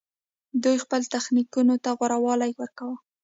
دوی خپل تخنیکونو ته غوره والی ورکاوه